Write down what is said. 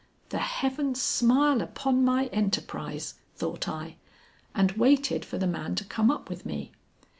"The heavens smile upon my enterprise," thought I, and waited for the man to come up with me.